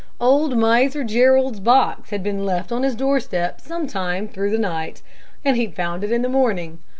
"Old Miser Jerrold's box had been left on his doorstep some time through the night, and he'd found it in the morning.